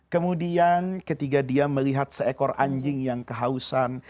kemudian ketika dia melihat seekor anjing yang kehausan